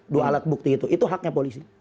dua alat bukti itu itu haknya polisi